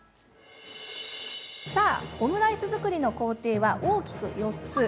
さあ、オムライス作りの工程は大きく４つ。